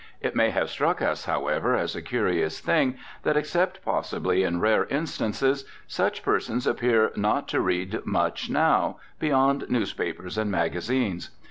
It may have struck us, however, as a curious thing that, except possibly in rare instances, such persons appear not to read much now, beyond newspapers and magazines.